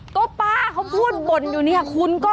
ก็ป้าเขาพูดบ่นอยู่เนี่ยคุณก็